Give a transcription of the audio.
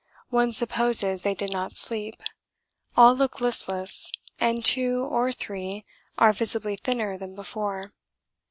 One supposes they did not sleep all look listless and two or three are visibly thinner than before.